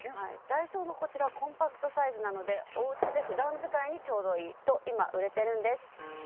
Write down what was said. ダイソーのこちらコンパクトサイズなのでおうちで普段使いにちょうどいいと今売れてるんです。